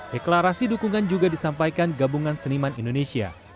deklarasi dukungan juga disampaikan gabungan seniman indonesia